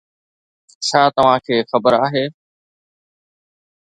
ڇا توهان کي خبر آهي